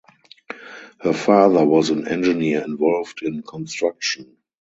Her father was an engineer involved in construction.